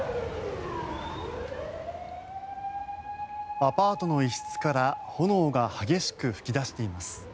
アパートの一室から炎が激しく噴き出しています。